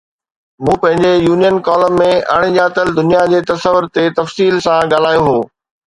مون پنهنجي پوئين ڪالم ۾ اڻڄاتل دنيا جي تصور تي تفصيل سان ڳالهايو هو.